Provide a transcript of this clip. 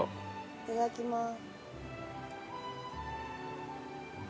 いただきます。